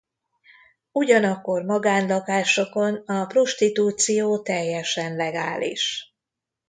Ugyanakkor magánlakásokon a prostitúció teljesen legális.